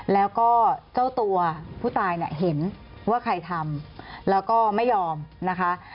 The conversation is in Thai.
แล้วก็เจ้าตัวผู้ตายเนี่ยเห็นว่าใครทำแล้วก็ไม่ยอมนะคะ